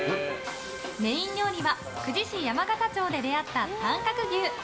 メイン料理は久慈市山形町で出会った短角牛。